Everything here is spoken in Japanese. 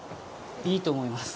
いいと思います。